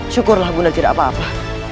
syukurlah mudah tidak apa apa